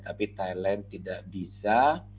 tapi thailand tidak bisa